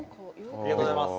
ありがとうございます。